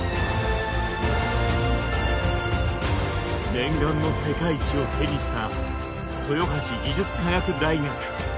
念願の世界一を手にした豊橋技術科学大学。